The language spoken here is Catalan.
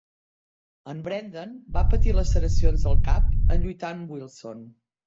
En Brenden va patir laceracions al cap en lluitar amb Wilson.